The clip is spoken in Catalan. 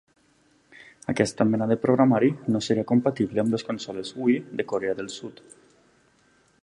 Aquesta mena de programari no seria compatible amb les consoles Wii de Corea del Sud.